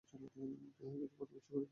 যাহা-কিছু বন্দোবস্ত করিবার, সে তুমিই করিয়ো।